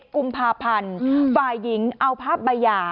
๑๑กุมภาพันธุ์ฝ่ายหญิงเอาภาพบัญญา